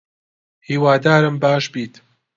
هیوادارم باش بیت